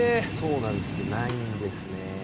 そうなんですけど、ないんですね。